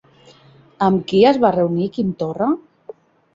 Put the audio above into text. Amb qui es va reunir Quim Torra?